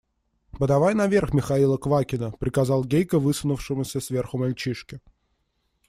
Подавай наверх Михаила Квакина! – приказал Гейка высунувшемуся сверху мальчишке.